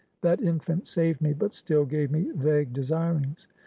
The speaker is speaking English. That infant saved me; but still gave me vague desirings.